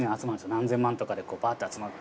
何千万とかでバーっと集まって。